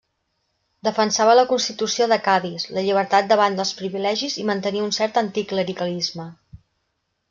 Defensava la Constitució de Cadis, la llibertat davant dels privilegis i mantenia un cert anticlericalisme.